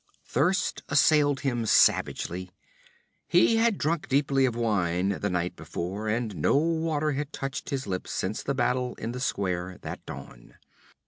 Thirst assailed him savagely. He had drunk deeply of wine the night before, and no water had touched his lips since before the battle in the square, that dawn.